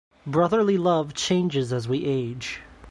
Brotherly love changes as we age.